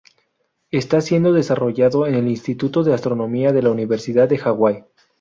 Está siendo desarrollado en el Instituto de Astronomía de la Universidad de Hawái.